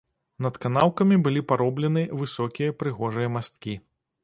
Над канаўкамі былі пароблены высокія прыгожыя масткі.